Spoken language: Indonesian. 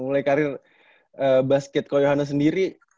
mulai karir basket ko yohannes sendiri